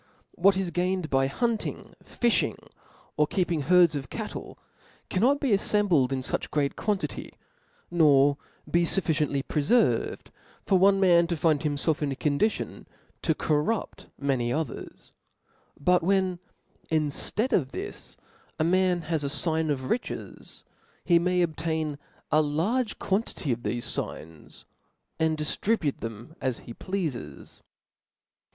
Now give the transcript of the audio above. What is gained by hunting, fifbing, or keeping herds of cattle, cannot be aflcmbled in fuch great quantity, nor be fufRciently prefervcd, for one man to find himfelf in a condition to corrupt many others : but when, in Read of this, a man has a fign of riches, he may obtain a' large quantity of thefe f]gns, and diftribute them as he pleafes.